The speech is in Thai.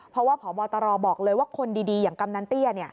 เพราะว่าพบตรบอกเลยว่าคนดีอย่างกำนันเตี้ย